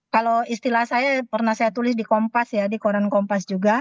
kalau istilah saya pernah saya tulis di kompas ya di koran kompas juga